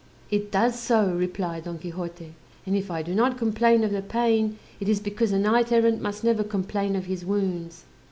"It does so," replied Don Quixote; "and if I do not complain of the pain, it is because a knight errant must never complain of his wounds."